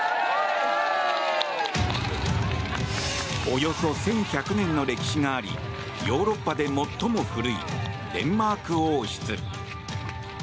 およそ１１００年の歴史がありヨーロッパで最も古いデンマーク王室。